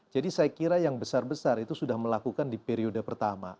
jadi saya kira yang besar besar itu sudah melakukan di periode pertama